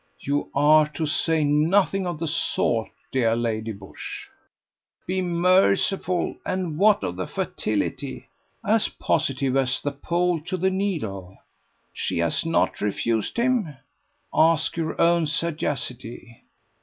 "You are to say nothing of the sort, dear Lady Busshe." "Be merciful! And what of the fatality?" "As positive as the Pole to the needle." "She has not refused him?" "Ask your own sagacity."